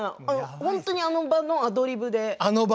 本当にあの場のアドリブで。